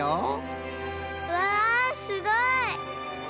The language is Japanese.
うわすごい！